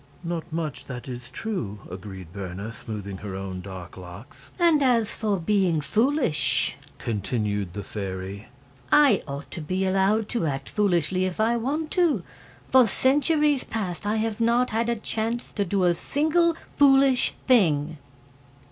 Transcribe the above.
"Not much, that is true," agreed Berna, smoothing her own dark locks. "And as for being foolish," continued the fairy, "I ought to be allowed to act foolishly if I want to. For centuries past I have not had a chance to do a single foolish thing."